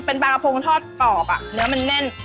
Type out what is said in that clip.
เป็นปลากระพงทอดกรอบเนื้อมันแน่น